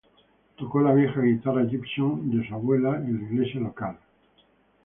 Tocó la vieja guitarra Gibson de su abuela en la iglesia local.